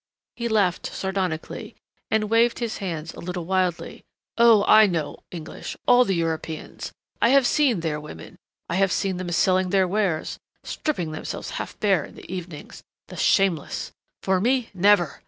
He laughed sardonically and waved his hands a little wildly. "Oh, I know English all the Europeans. I have seen their women. I have seen them selling their wares stripping themselves half bare in the evenings, the shameless For me, never!